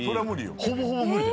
ほぼほぼ無理だよ。